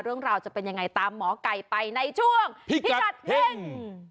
เรื่องราวจะเป็นยังไงตามหมอไก่ไปในช่วงพิกัดเฮ่ง